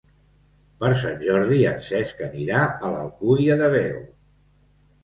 Per Sant Jordi en Cesc anirà a l'Alcúdia de Veo.